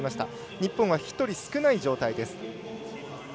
日本は１人、少ない状態です。